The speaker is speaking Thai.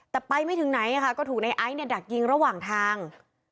แต่ไปไม่ถึงไหนก็ถูกในไอซ์เนี่ยดักยิงระหว่างทาง